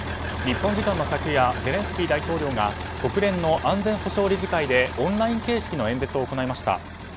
日本時間の昨夜ゼレンスキー大統領が国連の安全保障理事会でオンライン形式の演説を行いました。